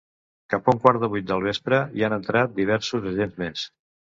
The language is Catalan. Cap a un quart de vuit del vespre hi han entrat diversos agents més.